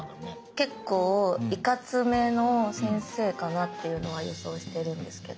結構いかつめの先生かなっていうのは予想してるんですけど。